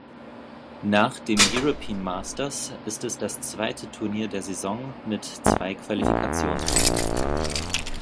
Nach dem European Masters ist es das zweite Turnier der Saison mit zwei Qualifikationsrunden.